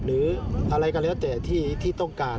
หรืออะไรก็แล้วแต่ที่ต้องการ